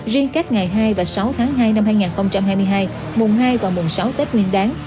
riêng các ngày hai và sáu tháng hai năm hai nghìn hai mươi hai mùng hai và mùng sáu tết nguyên đáng